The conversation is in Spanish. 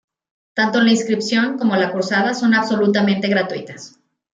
Tanto la inscripción como la cursada son absolutamente gratuitas.